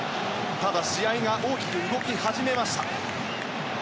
ただ、試合が大きく動き始めました。